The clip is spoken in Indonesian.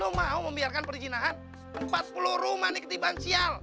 lu mau membiarkan perijinahan empat puluh rumah nikti bansial